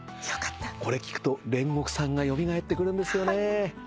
これ聴くと煉獄さんが蘇ってくるんですよね。